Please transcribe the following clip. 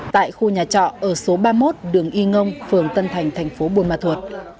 tại khu nhà trọ ở số ba mươi một đường y ngông phường tân thành thành phố buôn ma thuột